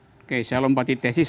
oke saya lompati tesis